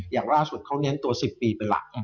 อย่างล่าสุดเขาเน้นตัว๑๐ปีเป็นหลัก